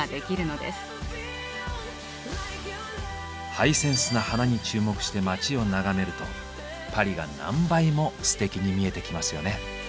ハイセンスな花に注目して街を眺めるとパリが何倍もステキに見えてきますよね。